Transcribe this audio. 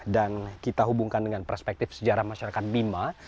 dan kita hubungkan dengan perspektif sejarah masyarakat bima